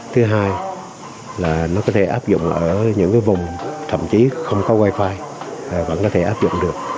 thứ hai là nó có thể áp dụng ở những vùng thậm chí không có wifi vẫn có thể áp dụng được